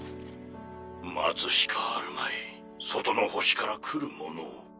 待つしかあるまい外の星から来る者を。